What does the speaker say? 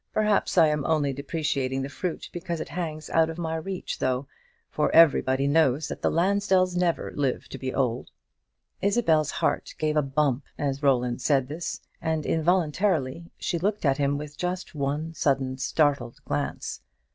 Perhaps I am only depreciating the fruit because it hangs out of my reach, though; for everybody knows that the Lansdells never live to be old." Isabel's heart gave a bump as Roland said this, and involuntarily she looked at him with just one sudden startled glance.